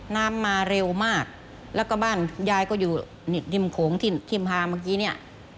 น้ำมาเร็วมากและบ้านยายอยู่ที่นิ้มโขงที่ที่มาเมื่อกี้